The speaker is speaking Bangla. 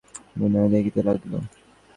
বিহারী অবরুদ্ধহাস্যে নীরবে অভিনয় দেখিতে লাগিল।